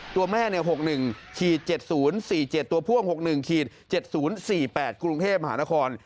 ตัวแม่๖๑๗๐๔๗ตัวพ่วง๖๑๗๐๔๘กรุงเทพมหานคร